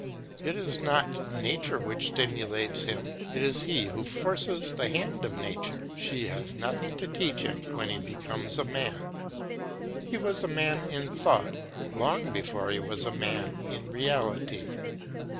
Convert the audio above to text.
It is not nature which stimulates him; it is he who forces the hand of nature; she has nothing to teach him when he becomes a man; he was a man in thought long before he was a man in reality.